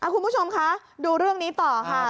คุณผู้ชมคะดูเรื่องนี้ต่อค่ะ